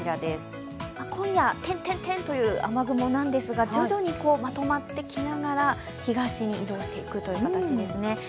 今夜、点々という雨雲なんですが徐々にまとまってきながら東に移動していくという形です。